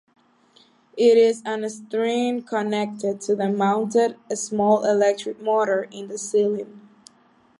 It is an string connected to the mounted small electric motor in the ceiling.